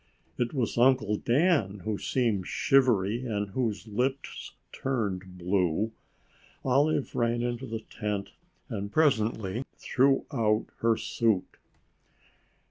It was Uncle Dan who seemed shivery and whose lips turned blue. Olive ran into the tent and presently threw out her suit.